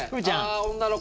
女の子。